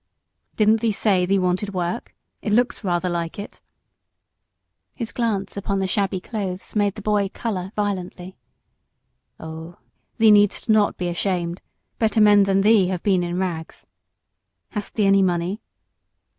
"Didn't thee say thee wanted work? It looks rather like it." His glance upon the shabby clothes made the boy colour violently. "Oh, thee need'st not be ashamed; better men than thee have been in rags. Hast thee any money?"